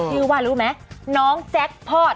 ชื่อว่ารู้ไหมน้องแจ็คพอร์ต